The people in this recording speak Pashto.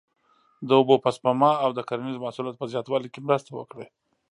د اوبو په سپما او د کرنیزو محصولاتو په زیاتوالي کې مرسته وکړي.